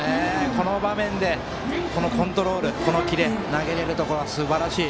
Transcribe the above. この場面であのコントロール、あのキレを投げれるところすばらしい。